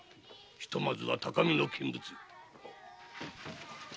ひとまずは高みの見物。